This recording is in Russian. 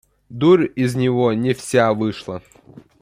Дурь из него не вся вышла.